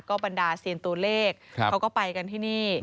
บรรดาเซียนตัวเลขเขาก็ไปกันที่นี่